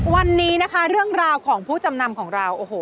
วันนี้นะคะเรื่องราวของผู้จำนำของเราโอ้โห